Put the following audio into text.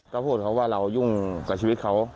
ก็พูดเขาว่าเรายุ่งกับชีวิตเขา